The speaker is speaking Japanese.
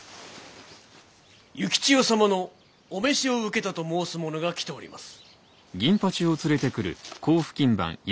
幸千代様のお召しを受けたと申す者が来ております。